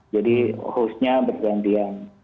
jadi hostnya bergantian